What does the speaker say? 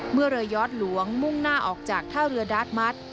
เมื่อเรือยอดหลวงมุ่งหน้าออกจากท่าเรือดาร์ดมัส